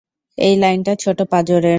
এই লাইনটা ছোট পাঁজরের।